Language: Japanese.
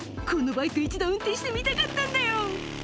「このバイク一度運転してみたかったんだよ」